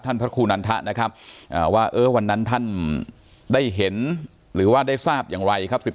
ท่านคสุนอรร๒๐๐๑นะครับน้ำต้านังท่ามได้เห็นหรือว่าได้ทราบอย่างไหวครับ